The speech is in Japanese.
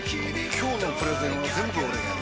今日のプレゼンは全部俺がやる！